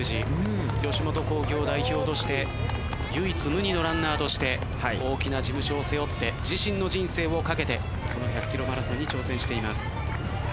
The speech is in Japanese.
吉本興業代表として唯一無二のランナーとして大きな事務所を背負って自身の人生を懸けてこの１００ｋｍマラソンに挑戦しています。